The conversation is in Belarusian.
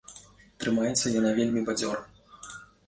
Трымаецца яна вельмі бадзёра.